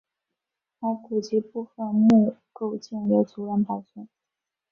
骸骨及部分墓构件由族人保存。